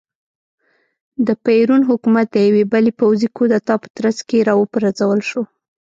د پېرون حکومت د یوې بلې پوځي کودتا په ترڅ کې را وپرځول شو.